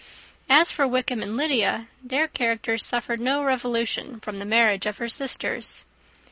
As for Wickham and Lydia, their characters suffered no revolution from the marriage of her sisters.